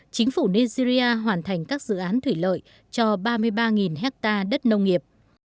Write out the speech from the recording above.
chính phủ nigeria hoàn thành các dự án thủy lợi cho ba mươi ba hectare đất nông nghiệp